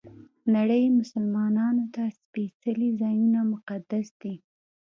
نړۍ مسلمانانو ته سپېڅلي ځایونه مقدس دي.